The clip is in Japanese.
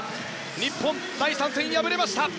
日本は第３戦、敗れました。